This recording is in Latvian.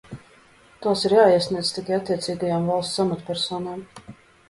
Tās ir jāiesniedz tikai attiecīgajām valsts amatpersonām.